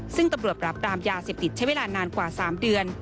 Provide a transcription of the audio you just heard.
ซึ่งตำรวจปราบรามยาเสพติดใช้เวลานานกว่า๓เดือน